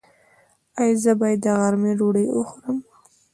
ایا زه باید د غرمې ډوډۍ وخورم؟